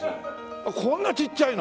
こんなちっちゃいの？